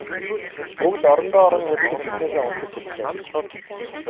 Бүгд орондоо орон хэвтэж эхнээсээ унтаж эхлэв.